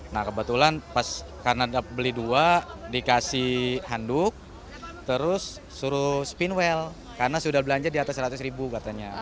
nah kebetulan pas karena beli dua dikasih handuk terus suruh spinwell karena sudah belanja di atas seratus ribu katanya